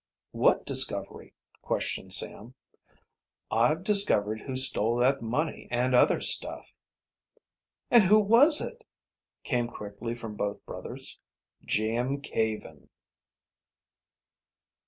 "What discovery?" questioned Sam. "I've discovered who stole that money and other stuff." "And who was it?" came quickly from both brothers. "Jim Caven."